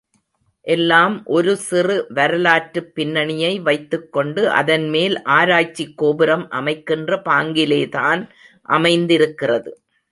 எல்லாம் ஒரு சிறு வரலாற்றுப் பின்னணியை வைத்துக்கொண்டு, அதன்மேல் ஆராய்ச்சிக் கோபுரம் அமைக்கின்ற பாங்கிலேதான் அமைந்திருக்கிறது.